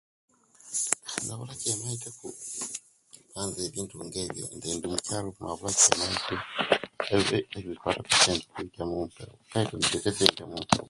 Nze ebula ekyemaite ku kubanga nze ebintu nga ebyo nze nkali okwaba